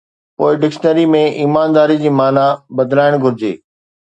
پوءِ ڊڪشنري ۾ ’ايمانداري‘ جي معنيٰ بدلائڻ گهرجي.